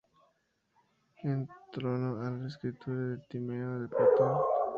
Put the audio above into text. En torno a la escritura del Timeo de Platón.